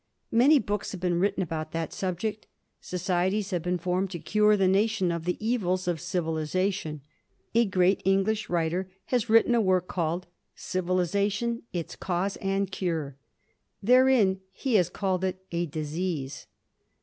Many books have been written upon that subject. Societies have been formed to cure the nation of the evils of civilization. A great English writer has written a work called "Civilization: Its Cause and Cure." Therein he has called it a disease.